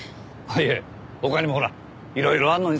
いや他にもほらいろいろあるのにさ